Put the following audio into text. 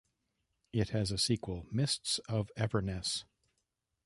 It has a sequel, "Mists of Everness".